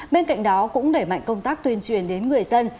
bên cạnh đó cũng đẩy mạnh công tác tuyên truyền đến người dân